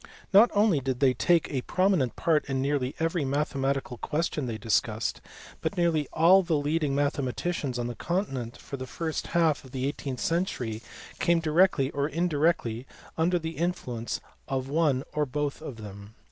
Not only did they take a prominent part in nearly every mathe matical question then discussed, but nearly all the leading mathematicians on the continent for the first half of the 372 JAMES BERNOULLI. eighteenth century caine directly or indirectly under the influence of one or both of them.